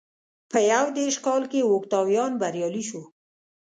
په یو دېرش کال کې اوکتاویان بریالی شو.